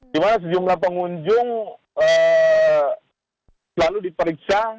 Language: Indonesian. di mana sejumlah pengunjung selalu diperiksa